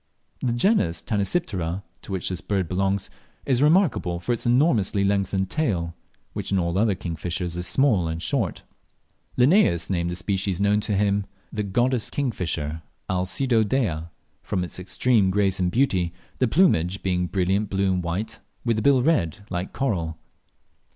The genus Tanysiptera, to which this bird belongs, is remarkable for the enormously lengthened tail, which in all other kingfishers is small and short. Linnaeus named the species known to him "the goddess kingfisher" (Alcedo dea), from its extreme grace and beauty, the plumage being brilliant blue and white, with the bill red, like coral.